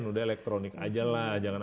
udah elektronik aja lah jangan